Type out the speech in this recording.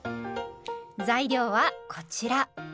材料はこちら。